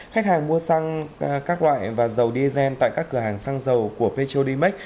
khách hàng mua xăng các loại và dầu diesel tại các cửa hàng xăng dầu của petrolimax